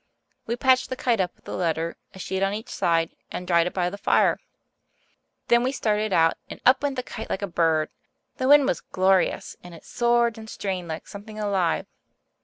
We patched the kite up with the letter, a sheet on each side, and dried it by the fire. Then we started out, and up went the kite like a bird. The wind was glorious, and it soared and strained like something alive.